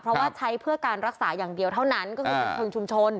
เพราะว่าใช้เพื่อการรักษาอย่างเดียวเท่านั้นก็คือเป็นเชิงชุมชน